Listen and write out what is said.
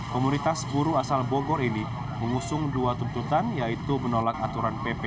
komunitas buruh asal bogor ini mengusung dua tuntutan yaitu menolak aturan pp tujuh puluh delapan